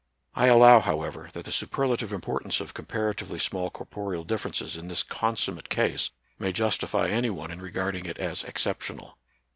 I allow, however, that the superlative importance of comparatively small corporeal differences in this comsummate case may justify any one in re garding it as exceptional.